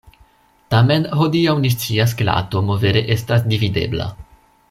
Tamen, hodiaŭ ni scias ke la atomo vere estas dividebla.